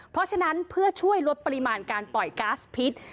เพราะฉะนั้นเพื่อช่วยลดปริมาณการปล่อยก๊าซพิษ